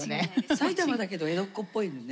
埼玉だけど江戸っ子っぽいのよね。